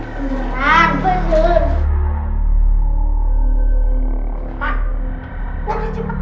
kemudian ga enak biji teriak